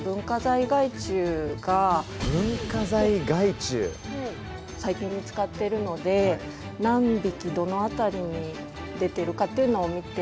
虫を探していたのはここは最近見つかってるので何匹どの辺りに出てるかっていうのを見てます。